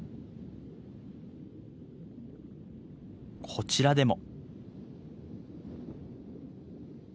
こちらでも。